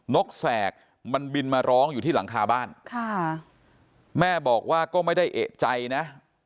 นกแสกมันบินมาร้องอยู่ที่หลังคาบ้านค่ะแม่บอกว่าก็ไม่ได้เอกใจนะ